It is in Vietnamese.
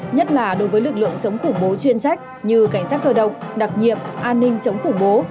nhất là đối với lực lượng chống khủng bố chuyên trách như cảnh sát cơ động đặc nhiệm an ninh chống khủng bố